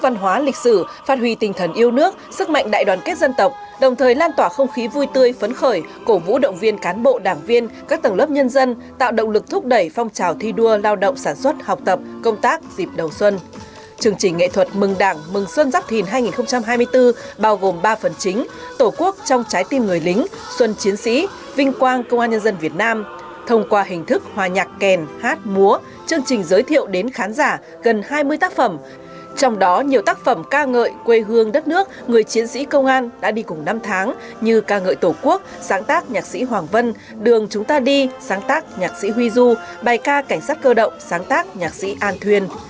nhiều tác phẩm ca ngợi quê hương đất nước người chiến sĩ công an đã đi cùng năm tháng như ca ngợi tổ quốc sáng tác nhạc sĩ hoàng vân đường chúng ta đi sáng tác nhạc sĩ huy du bài ca cảnh sát cơ động sáng tác nhạc sĩ an thuyền